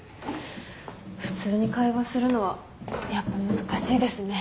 普通に会話するのはやっぱ難しいですね。